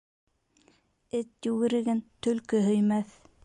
Эт йүгереген төлкө һөймәҫ